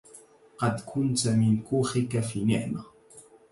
قد كنتَ مِن كُوخِكَ في نِعمةٍ